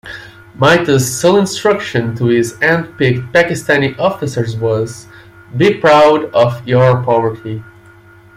Mitha's sole instruction to his handpicked Pakistani officers was, Be proud of your poverty.